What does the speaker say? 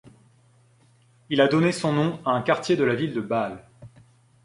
Il a donné son nom à un quartier de la ville de Bâle.